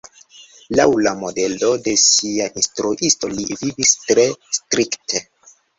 Laŭ la modelo de sia instruisto li vivis tre strikte.